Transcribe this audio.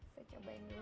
saya cobain dulu